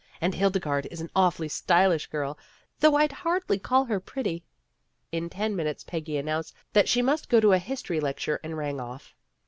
And Hildegarde is an awfully stylish girl, though I'd hardly call her pretty. '' In ten minutes Peggy announced that she must go to a history lecture and rang off.